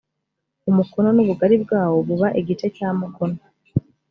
umukono n ubugari bwawo buba igice cya mukono